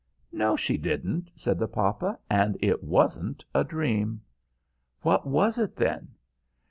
"No, she didn't," said the papa; "and it wasn't a dream." "What was it, then?"